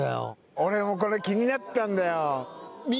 俺もこれ気になってたんだよ